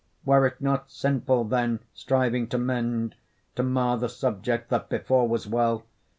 Were it not sinful then, striving to mend, To mar the subject that before was well?